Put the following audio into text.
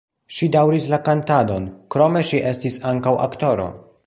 Ŝi daŭris la kantadon, krome ŝi estis ankaŭ aktoro.